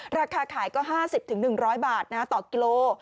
ราคาขายก็๕๐๑๐๐บาทต่อกิโล